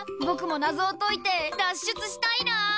ぼくも謎をといて脱出したいな！